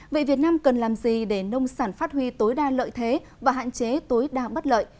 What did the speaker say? vậy việt nam cần làm gì để nông sản phát huy tối đa lợi thế và hạn chế tối đa bất lợi